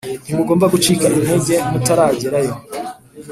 Ntimugomba gucika intege mutaragerayo